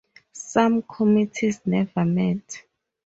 Some committees never met.